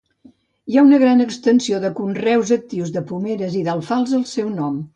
Hi ha una gran extensió de conreus actius de pomeres i d'alfals al seu entorn.